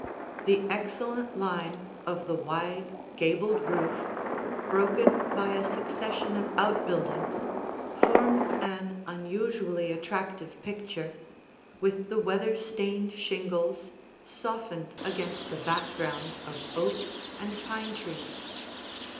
The excellent line of the wide, gabled roof, broken by a succession of outbuildings, forms an unusually attractive picture, with the weather stained shingles softened against a background of oak and pine trees.